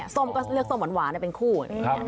ส้มก็เลือกส้มหวานเป็นคู่